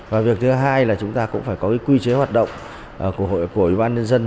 và việc thứ hai là chúng ta cũng phải có quy chế hoạt động của hội đồng nhân dân